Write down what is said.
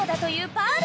パール！